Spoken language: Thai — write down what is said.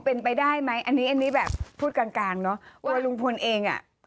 เป็นไปได้มั้ยอันนี้นี่แบบพูดก่างก่างเนาะว่าลูกพลเองอ่ะ